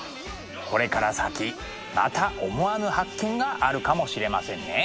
これから先また思わぬ発見があるかもしれませんね。